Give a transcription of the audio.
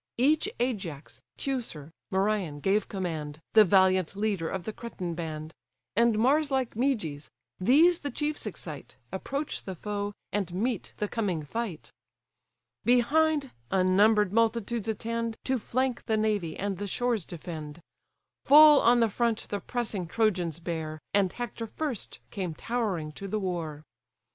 Each Ajax, Teucer, Merion gave command, The valiant leader of the Cretan band; And Mars like Meges: these the chiefs excite, Approach the foe, and meet the coming fight. Behind, unnumber'd multitudes attend, To flank the navy, and the shores defend. Full on the front the pressing Trojans bear, And Hector first came towering to the war.